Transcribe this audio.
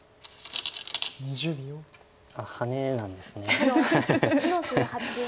あっハネなんですね。